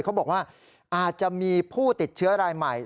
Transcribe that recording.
เขาบอกว่าอาจจะมีผู้ติดเชื้อรายใหม่